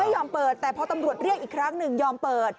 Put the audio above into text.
ยอมเปิดแต่พอตำรวจเรียกอีกครั้งหนึ่งยอมเปิด